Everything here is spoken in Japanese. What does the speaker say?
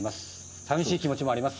寂しい気持ちもあります。